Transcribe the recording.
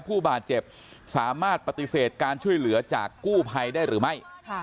ผู้บาดเจ็บสามารถปฏิเสธการช่วยเหลือจากกู้ภัยได้หรือไม่